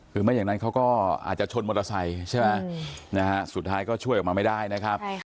คือไม่อย่างนั้นเขาก็อาจจะชนมอเตอร์ไซค์ใช่ไหมสุดท้ายก็ช่วยออกมาไม่ได้นะครับ